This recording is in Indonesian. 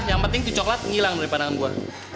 yang penting tuh coklat ngilang dari pandangan gue